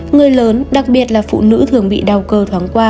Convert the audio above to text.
người lớn đặc biệt là phụ nữ thường bị đau cơ thoáng qua